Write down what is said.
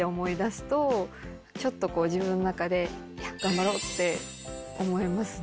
ちょっと自分の中で頑張ろうって思えますね。